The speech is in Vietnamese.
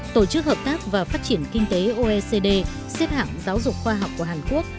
tổ chức hợp tác và phát triển kinh tế oecd xếp hạng giáo dục khoa học của hàn quốc